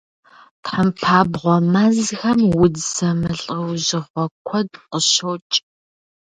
Тхьэмпабгъуэ мэзхэм удз зэмылӀэужьыгъуэ куэд къыщокӀ.